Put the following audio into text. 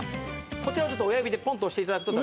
こちらを親指でポンと押していただくと。